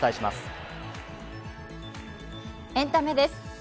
エンタメです。